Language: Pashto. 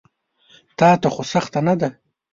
تاته خو سخته نه ده.